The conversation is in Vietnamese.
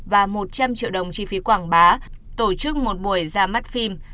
và một trăm linh triệu đồng chi phí quảng bá tổ chức một buổi ra mắt phim